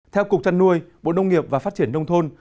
theo cục trăn nuôi bộ nông nghiệp và phát triển nông thôn